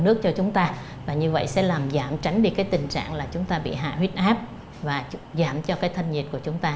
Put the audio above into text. nước cho chúng ta và như vậy sẽ làm giảm tránh đi cái tình trạng là chúng ta bị hạ huyết áp và giảm cho cái thân nhiệt của chúng ta